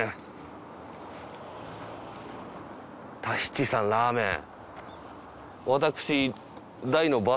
太七さんラーメン。